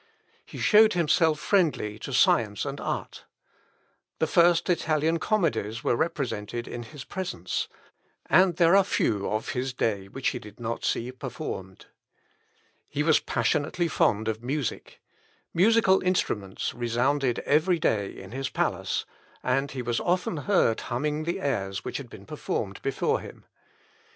He showed himself friendly to science and art. The first Italian comedies were represented in his presence; and there are few of his day which he did not see performed. He was passionately fond of music. Musical instruments resounded every day in his palace; and he was often heard humming the airs which had been performed before him.